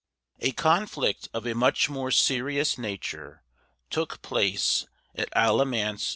A conflict of a much more serious nature took place at Alamance, N.